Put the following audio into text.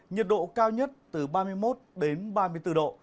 nhiệt độ cao nhất từ ba mươi một đến ba mươi bốn độ